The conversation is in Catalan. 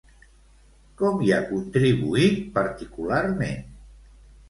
Com hi ha contribuït, particularment?